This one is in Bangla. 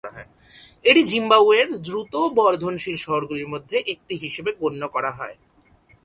এটি জিম্বাবুয়ের দ্রুত বর্ধনশীল শহরগুলির মধ্যে একটি হিসাবে গণ্য করা হয়।